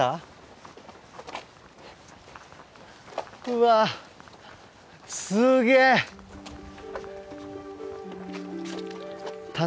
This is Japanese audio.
うわすげえ棚田。